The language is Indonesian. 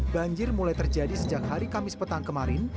banjir mulai terjadi sejak hari kamis petang kemarin